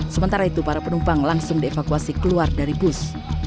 sementara itu para penumpang langsung dievakuasi keluar dari bus